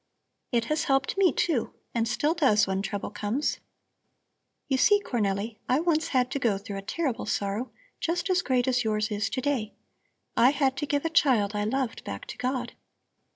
It has helped me, too, and still does when trouble comes. You see, Cornelli, I once had to go through a terrible sorrow just as great as yours is to day. I had to give a child I loved back to God.